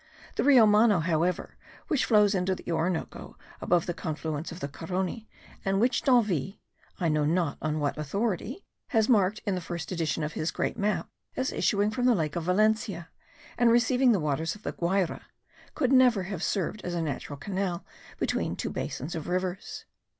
The Rio Mano however, which flows into the Orinoco above the confluence of the Carony, and which D'Anville (I know not on what authority) has marked in the first edition of his great map as issuing from the lake of Valencia, and receiving the waters of the Guayra, could never have served as a natural canal between two basins of rivers.